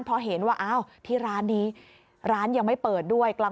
พอเห็นว่าอ้าวที่ร้านนี้ร้านยังไม่เปิดด้วย